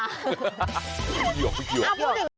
พริกหยอกพริกหยอก